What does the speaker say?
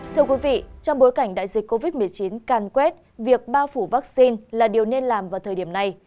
thưa quý vị trong bối cảnh đại dịch covid một mươi chín càn quét việc bao phủ vaccine là điều nên làm vào thời điểm này